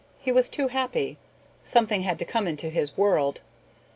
He was too happy. Something had to come into his world.